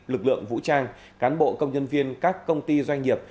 lực lượng vũ trang cán bộ công nhân viên các công ty doanh nghiệp